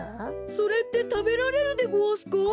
それってたべられるでごわすか？